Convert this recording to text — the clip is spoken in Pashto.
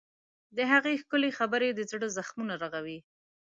د هغې ښکلي خبرې د زړه زخمونه رغوي.